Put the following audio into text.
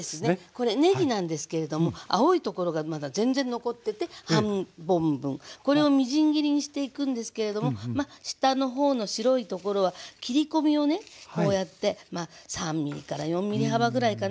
これねぎなんですけれども青いところがまだ全然残ってて半本分これをみじん切りにしていくんですけれども下のほうの白いところは切り込みをねこうやって３ｍｍから４ｍｍ幅ぐらいかな。